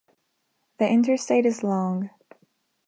The interstate is long.